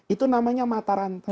itu namanya mata rantai